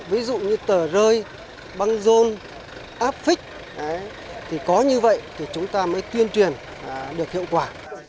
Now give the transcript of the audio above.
ví dụ như tờ rơi băng rôn áp phích thì có như vậy thì chúng ta mới tuyên truyền được hiệu quả